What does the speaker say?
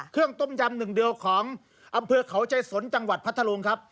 ต้มยำหนึ่งเดียวของอำเภอเขาใจสนจังหวัดพัทธรุงครับ